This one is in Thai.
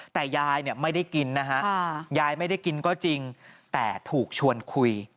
แต่ยายเนี่ยไม่ได้กินนะฮะยายไม่ได้กินก็จริงแต่ถูกชวนคุย